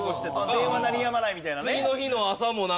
電話鳴りやまないみたいなね。